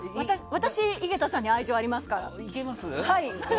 私、井桁さんに愛情ありますから。